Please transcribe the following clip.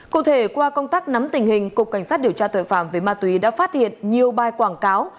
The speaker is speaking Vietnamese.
cụ thể qua công tác nắm tình hình cục cảnh sát điều tra tội phạm về ma túy đã phát hiện nhiều bài quảng cáo